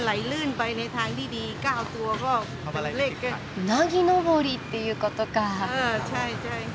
ウナギ登りっていうことかあ。